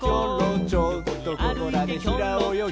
「ちょっとここらでひらおよぎ」